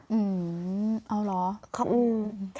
อืมเอาเหรอ